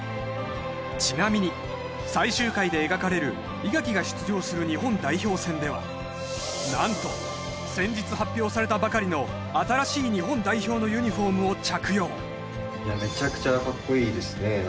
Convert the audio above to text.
ちなみに最終回で描かれる伊垣が出場する日本代表戦では何と先日発表されたばかりの新しい日本代表のユニフォームを着用めちゃくちゃかっこいいですね